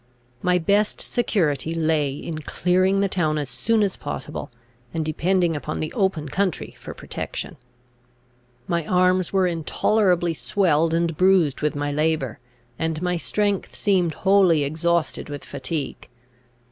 My best security lay in clearing the town as soon as possible, and depending upon the open country for protection. My arms were intolerably swelled and bruised with my labour, and my strength seemed wholly exhausted with fatigue.